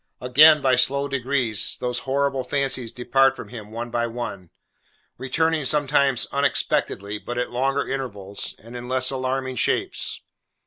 Again, by slow degrees, these horrible fancies depart from him one by one: returning sometimes, unexpectedly, but at longer intervals, and in less alarming shapes.